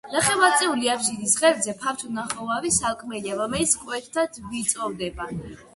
ნახევარწიული აფსიდის ღერძზე ფართო თაღოვანი სარკმელია, რომელიც მკვეთრად ვიწროვდება.